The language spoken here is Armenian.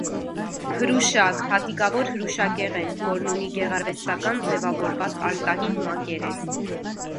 Հրուշակ՝ հատիկավոր հրուշակեղեն, որն ունի գեղարվեստական ձևավորված արտաքին մակերես։